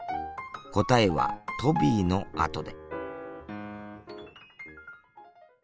答えはトビーのあとで。